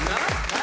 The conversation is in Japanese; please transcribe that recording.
何？